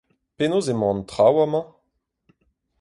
Penaos emañ an traoù amañ ?